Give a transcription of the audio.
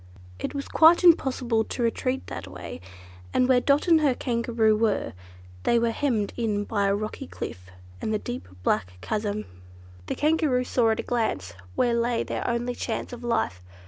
It was quite impossible to retreat that way; and where Dot and her Kangaroo were, they were hemmed in by a rocky cliff and the deep black chasm. The Kangaroo saw at a glance where lay their only chance of life.